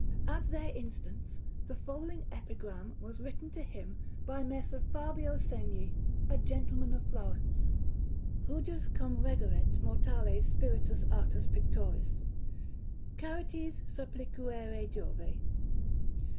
At their instance the following epigram was written to him by Messer Fabio Segni, a gentleman of Florence: Hujus cum regeret mortales spiritus artus Pictoris, Charites supplicuere Jovi.